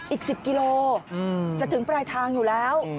อีก๑๐กิโลจะถึงปลายทางอยู่แล้ว